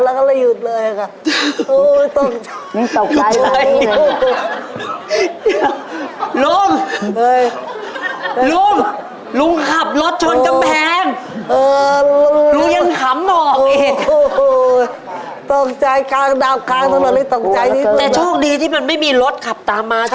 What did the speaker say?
ถ้ารถดีเขาไม่เป็นไร